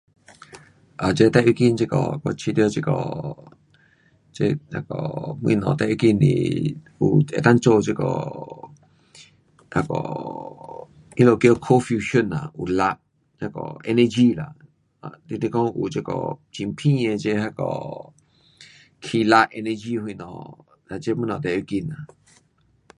呃这最要紧这个我觉得这个，这那个东西最要紧是有，能够做这个，那个，他们叫 cold fusion 啦，有力，那个 energy 啦，啊，你若讲有这个很便的这那个，起力 energy 什么，这东西最要紧。